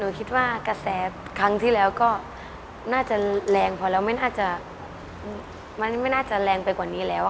คิดว่ากระแสครั้งที่แล้วก็น่าจะแรงพอแล้วไม่น่าจะมันไม่น่าจะแรงไปกว่านี้แล้วค่ะ